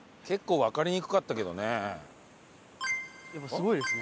すごいですね。